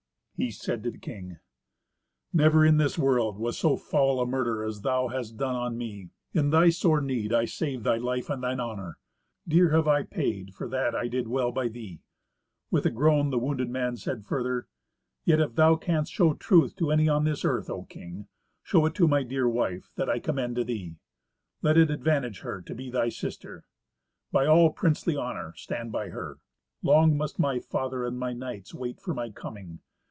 He said to the king, "Never in this world was so foul a murder as thou hast done on me. In thy sore need I saved thy life and thine honour. Dear have I paid for that I did well by thee." With a groan the wounded man said further, "Yet if thou canst show truth to any on this earth, O King, show it to my dear wife, that I commend to thee. Let it advantage her to be thy sister. By all princely honour stand by her. Long must my father and my knights wait for my coming.